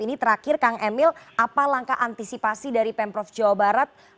ini terakhir kang emil apa langkah antisipasi dari pemprov jawa barat